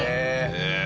へえ！